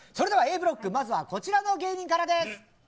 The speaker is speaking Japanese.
ブロックまずはこちらの芸人からです。